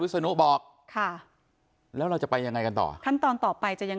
ศนุบอกค่ะแล้วเราจะไปยังไงกันต่อขั้นตอนต่อไปจะยัง